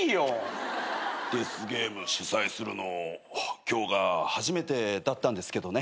デスゲーム主催するの今日が初めてだったんですけどね。